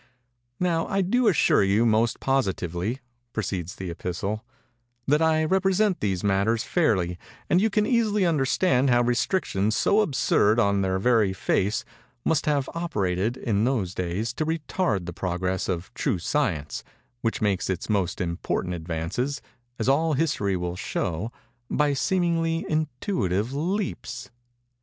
"Now I do assure you most positively"—proceeds the epistle—"that I represent these matters fairly; and you can easily understand how restrictions so absurd on their very face must have operated, in those days, to retard the progress of true Science, which makes its most important advances—as all History will show—by seemingly intuitive leaps.